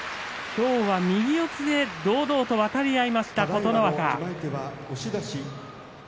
今日は右四つで堂々と渡り合いました、琴ノ若。